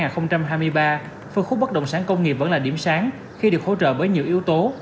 khu vực bất động sản công nghiệp vẫn là điểm sáng khi được hỗ trợ bởi nhiều yếu tố